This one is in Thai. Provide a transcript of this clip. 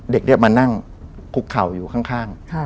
เด็กมานั่งคุกเข่าอยู่ข้าง